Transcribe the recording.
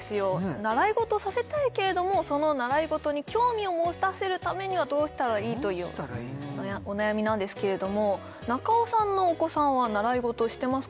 習い事させたいけれどもその習い事に興味を持たせるためにはどうしたらいい？というお悩みなんですけれども中尾さんのお子さんは習い事してますか？